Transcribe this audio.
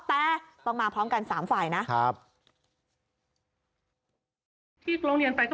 แต่บางมาพร้อมกันสามฝ่ายนะ